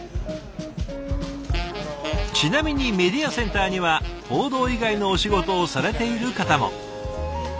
ちなみにメディアセンターには報道以外のお仕事をされている方も。